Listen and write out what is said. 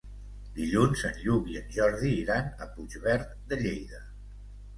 Dilluns en Lluc i en Jordi iran a Puigverd de Lleida.